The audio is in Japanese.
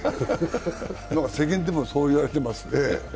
世間でもそういわれています。